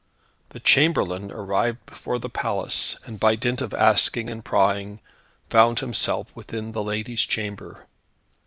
The chamberlain arrived before the palace, and by dint of asking and prying, found himself within the lady's chamber.